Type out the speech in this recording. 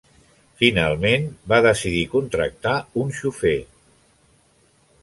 Finalment va decidir contractar un xofer.